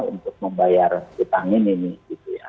untuk membayar utang ini nih gitu ya